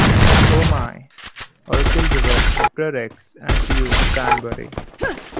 Oh My!, Okkervil River, Emperor X, and Drew Danburry.